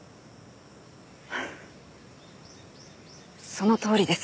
そのとおりです。